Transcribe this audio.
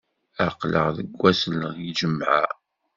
Aql-aɣ deg ass n lǧemɛa.